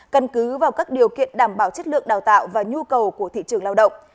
căn cứ vào các điều kiện đảm bảo chất lượng đào tạo và nhu cầu của thị trường lao động